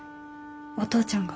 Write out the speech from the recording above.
お父ちゃんが。